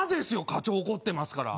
課長怒ってますから。